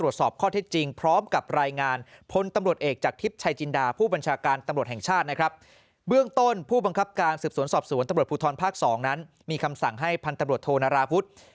จ้างต้นผู้บังคับการศึกษวนสอบสวนตำรวจภูทรภาค๒นั้นมีคำสั่งให้พันธุ์ทธโรนาราผุด